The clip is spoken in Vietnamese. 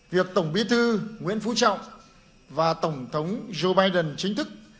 việc tổng bí thư nguyễn phú trọng và tổng thống joe biden chính thức